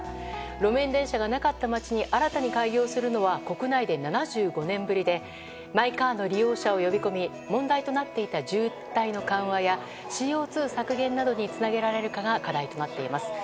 路面電車がなかった街に新たに開業するのは国内で７５年ぶりでマイカーの利用者を呼び込み問題となっていた渋滞の緩和やＣＯ２削減などにつなげられるかが課題となっています。